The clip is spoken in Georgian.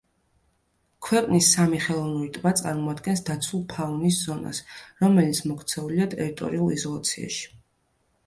ქვეყნის სამი ხელოვნური ტბა წარმოადგენს დაცულ ფაუნის ზონას, რომელიც მოქცეულია ტერიტორიულ იზოლაციაში.